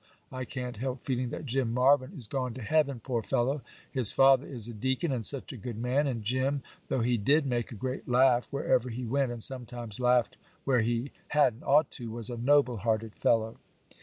I can't help feeling that Jim Marvyn is gone to heaven, poor fellow! His father is a deacon,—and such a good man!—and Jim, though he did make a great laugh wherever he went, and sometimes laughed where he hadn't ought to, was a noble hearted fellow.